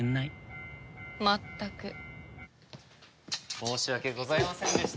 申し訳ございませんでした。